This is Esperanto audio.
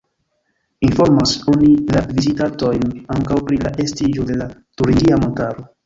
Informas oni la vizitantojn ankaŭ pri la estiĝo de la turingia montaro.